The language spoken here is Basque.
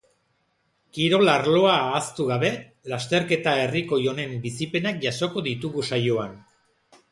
Kirol arloa ahaztu gabe, lasterketa herrikoi honen bizipenak jasoko ditugu saioan.